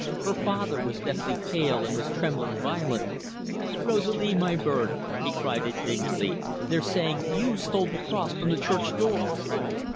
Her father was deathly pale, and was trembling violently. "Rosalie, my bird," he cried indignantly, "they're saying you stole the cross from the church door."